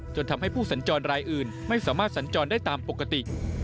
จนทำให้ผู้สัญจรรายอื่นไม่สามารถสัญจรได้ตามปกติ